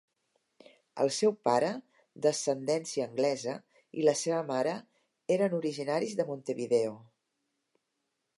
El seu pare, d'ascendència anglesa, i la seva mare eren originaris de Montevideo.